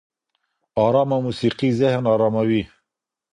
ارامه موسيقي ذهن اراموي